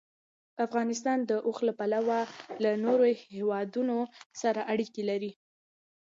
افغانستان د اوښ له پلوه له نورو هېوادونو سره اړیکې لري.